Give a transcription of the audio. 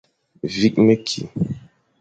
Vîkh mekî.